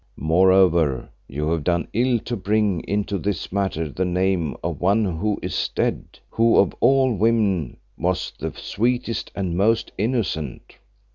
Moreover, you have done ill to bring into this matter the name of one who is dead, who of all women was the sweetest and most innocent.